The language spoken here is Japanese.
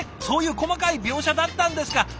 そういう細かい描写だったんですか。